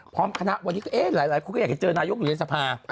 พร้อมคณะวันนี้หลายคุณก็อยากเจอนายุคอยู่ในสภา